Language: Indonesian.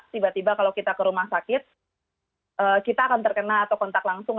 tiba tiba kalau kita ke rumah sakit kita akan terkena atau kontak langsung